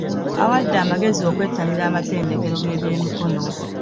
Abawadde amagezi okwettanira amatendekero g'ebyemikono